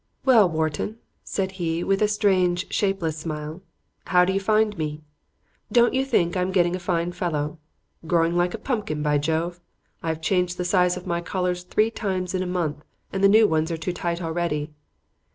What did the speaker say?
"Well, Wharton," said he, with a strange, shapeless smile, "how do you find me? Don't you think I'm getting a fine fellow? Growing like a pumpkin, by Jove! I've changed the size of my collars three times in a month and the new ones are too tight already."